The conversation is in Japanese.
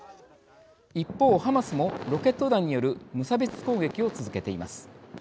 一方、ハマスもロケット弾による無差別攻撃を続けています。